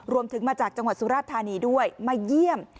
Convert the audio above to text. รวมถึงมาจากจังหวัดสุราธารณีด้วยมาเยี่ยม